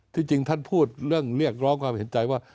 ที่จริงท่านพูดเรื่องเรียกร้องพยันใจว่า